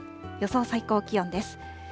予想最高気温です。